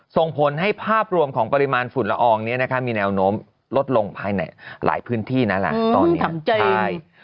ส่งผลให้ภาพรวมของปริมาณฝุ่นละอองนี้นะคะมีแนวโน้มลดลงภายในหลายพื้นที่นะล่ะตอนนี้ใช่